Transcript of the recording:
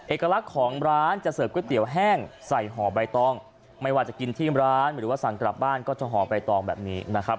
เอกลักษณ์ของร้านจะเสิร์ฟก๋วยเตี๋ยวแห้งใส่ห่อใบตองไม่ว่าจะกินที่ร้านหรือว่าสั่งกลับบ้านก็จะห่อใบตองแบบนี้นะครับ